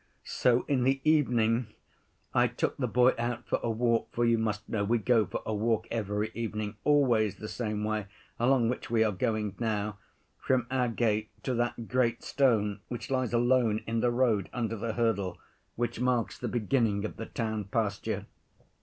So in the evening I took the boy out for a walk, for you must know we go for a walk every evening, always the same way, along which we are going now—from our gate to that great stone which lies alone in the road under the hurdle, which marks the beginning of the town pasture.